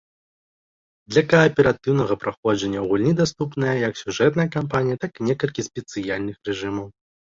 Для кааператыўнага праходжання ў гульні даступная як сюжэтная кампанія, так і некалькі спецыяльных рэжымаў.